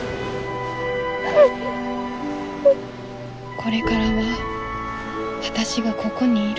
これからは私がここにいる。